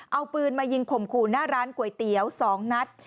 เอาปืนมายิงข่มขู่หน้าร้านก๋วยเตี๋ยว๒นัด